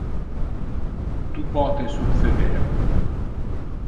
Tu pote succeder.